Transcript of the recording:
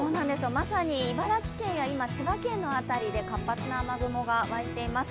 まさに茨城県や今、千葉県の辺りで活発な雨雲がわいています